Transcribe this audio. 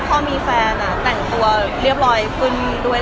ไม่จริงพอไม่แฟนก็แต่งตัวเรียบร้อยขึ้น